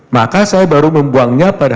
maka saya baru membuangnya pada